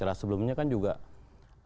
ada persekusi terhadap media tersebut